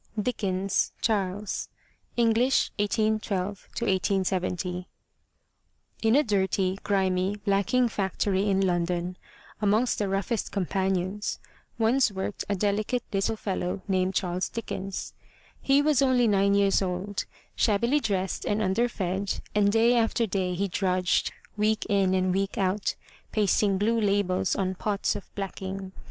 8s M Y BOOK HOUSE DICKENS, CHARLES (English, 1812 1870) N a dirty, grimy blacking factory in London, amongst the roughest companions, once worked a delicate little fellow named Charles Dickens. He was only nine years old, shabbily dressed and under fed, and day after day he drudged, week in and week out, pasting blue labels on pots of blacking.